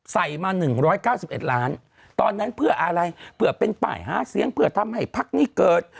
ใส่มา๑๙๑ล้านตอนนั้นเพื่ออะไรเพื่อเป็นป้ายหาเสียงเพื่อทำให้พักนี้เกิด